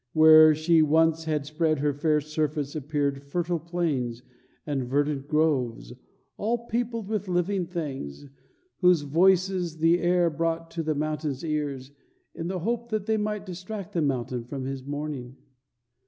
Where she once had spread her fair surface appeared fertile plains and verdant groves all peopled with living things, whose voices the air brought to the mountain's ears in the hope that they might distract the mountain from his mourning.